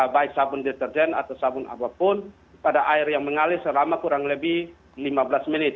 baik sabun deterjen atau sabun apapun pada air yang mengalir selama kurang lebih lima belas menit